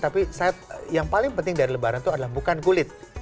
tapi saya yang paling penting dari lebaran itu adalah bukan kulit